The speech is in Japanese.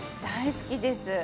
大好きです。